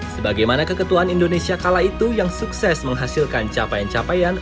sebagaimana keketuan indonesia kala itu yang sukses menghasilkan capaian capaian